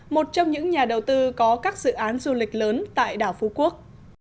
một trong những nhà đầu tư có các dự án du lịch lớn tại đảo phú quốc